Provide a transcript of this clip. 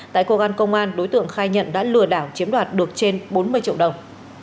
tại cơ quan công an đối tượng khai nhận đã lừa đảo chiếm đoạt được trên bốn mươi triệu đồng